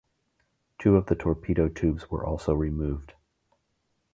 Two of the torpedo tubes were also removed.